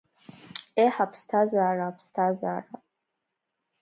Еҳ, аԥсҭазара, аԥсҭазара?